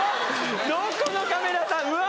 どこのカメラさんうわ！